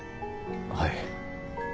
はい。